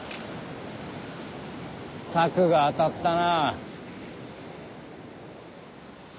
策が当たったな。